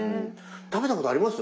食べたことあります？